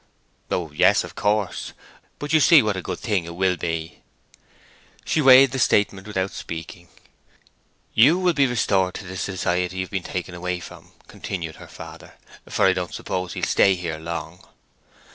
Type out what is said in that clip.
"Oh yes, of course. But you see what a good thing it will be." She weighed the statement without speaking. "You will be restored to the society you've been taken away from," continued her father; "for I don't suppose he'll stay here long."